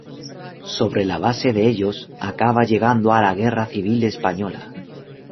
Sobre la base de ellos acaba llegando a la Guerra Civil Española.